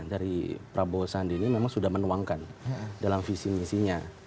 dari prabowo sandi ini memang sudah menuangkan dalam visi misinya